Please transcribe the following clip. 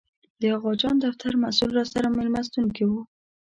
د اغاخان دفتر مسوول راسره مېلمستون کې و.